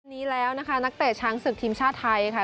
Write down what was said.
นี้แล้วนะคะนักเตะช้างศึกทีมชาติไทยค่ะ